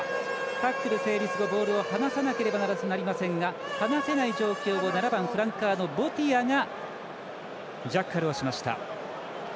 タックル成立後、ボールを離さなければいけませんが離せない状況を７番のボティアがジャッカルをしました。